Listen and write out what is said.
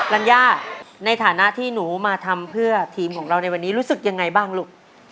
รัญญาในฐานะที่หนูมาทำเพื่อทีมของเราในวันนี้รู้สึกยังไงบ้างลูก